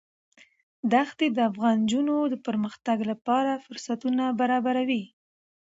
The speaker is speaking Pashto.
دښتې د افغان نجونو د پرمختګ لپاره فرصتونه برابروي.